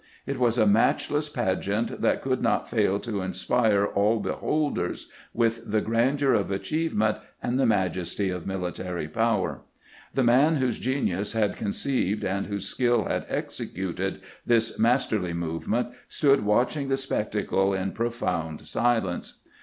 It was a matchless pageant that could not fail to inspire all beholders with the grandeur of achievement and the majesty of military power. The man whose genius had ^ conceived and whose skill had executed this masterly movement stood watching the spectacle in profound silence.